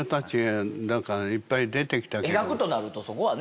描くとなるとそこはね。